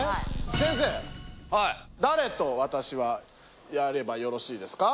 先生ダレと私はやればよろしいですか？